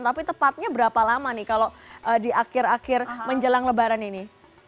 tapi tepatnya berapa lama nih kalau di akhir akhir menjelang lebaran ini